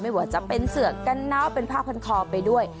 ไม่ว่าจะเป็นเสือกกันน้าวเป็นผ้าพันคอไปด้วย